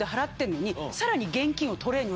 さらに。